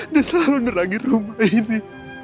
dia selalu nerangin rumah ini